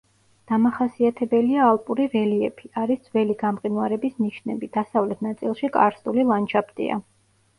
დამახასიათებელია ალპური რელიეფი, არის ძველი გამყინვარების ნიშნები, დასავლეთ ნაწილში კარსტული ლანდშაფტია.